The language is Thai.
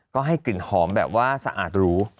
ก็ให้กลิ่นหอมแบบว่าสะอาดหรู